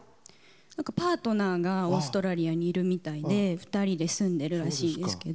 パートナーがオーストラリアにいるみたいで２人で住んでるらしいですけど。